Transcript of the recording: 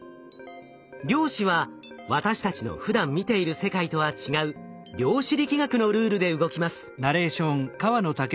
量子は私たちのふだん見ている世界とは違う量子力学のルールで動きます。